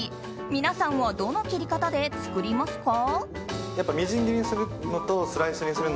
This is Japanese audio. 皆さんはどの切り方で作りますか？